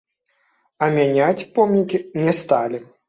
А мяняць помнікі не сталі.